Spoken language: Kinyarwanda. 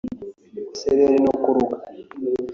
Isereri no kuruka